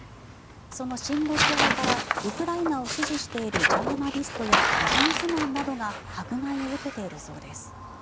その親ロシア派からウクライナを支持しているジャーナリストやビジネスマンなどが迫害を受けているそうです。